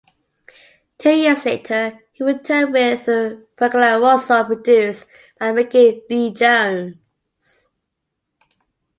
Two years later, he returned with "Peculiaroso", produced by Rickie Lee Jones.